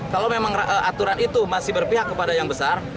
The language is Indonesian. kalau memang aturan itu masih berpihak kepada yang besar